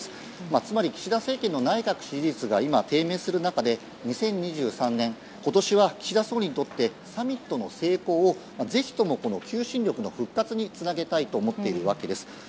つまり岸田政権の内閣支持率が低迷する中で、２０２３年今年は岸田総理にとってサミットの成功をぜひとも求心力の復活につなげたいと思っているわけです。